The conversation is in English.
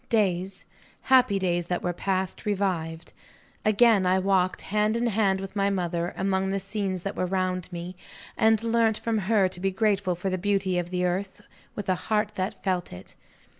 Days, happy days that were past, revived. Again, I walked hand in hand with my mother, among the scenes that were round me, and learnt from her to be grateful for the beauty of the earth, with a heart that felt it.